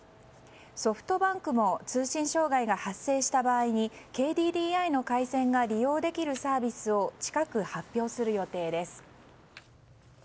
ソフトバンクも通信障害が発生した場合にＫＤＤＩの回線が利用できるサービスを近く、発表する予定です。